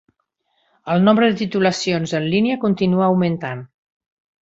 El nombre de titulacions en línia continua augmentant.